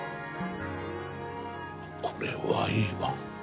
これはいいわ。